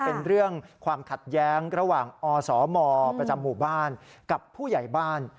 เป็นเรื่องความขัดแย้งระหว่างอสมประจำหมู่บ้านกับผู้ใหญ่บ้าน